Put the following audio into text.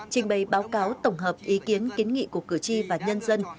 trình bày báo cáo tổng hợp ý kiến kiến nghị của cử tri và nhân dân